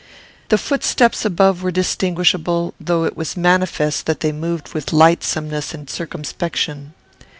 The footsteps above were distinguishable, though it was manifest that they moved with lightsomeness and circumspection.